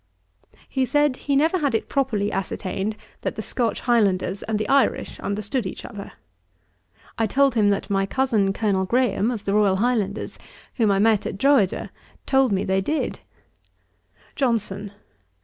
He said, he never had it properly ascertained that the Scotch Highlanders and the Irish understood each other. I told him that my cousin Colonel Graham, of the Royal Highlanders, whom I met at Drogheda, told me they did. JOHNSON.